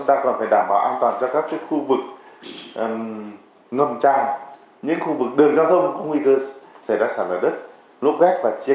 ngoài ra các tỉnh có nguy cơ xảy ra lũ quét sạt lở đất rất cao